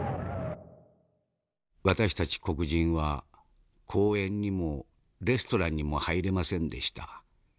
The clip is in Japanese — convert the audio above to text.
「私たち黒人は公園にもレストランにも入れませんでした。